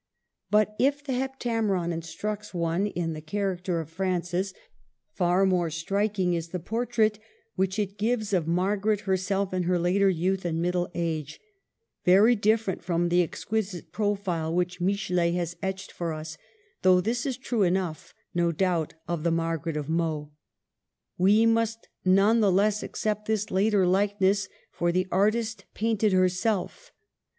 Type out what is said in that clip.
But if the '* Heptameron " instructs one in the character of Francis, far more striking is the por trait which it gives of Margaret herself in her later youth and middle age, very different from the exquisite profile which Michelet has etched for us, though this is true enough, no doubt, of the Margaret of Meaux. We must none the less accept this later likeness, for the artist painted herself.